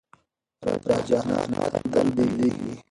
رجحانات تل بدلېږي.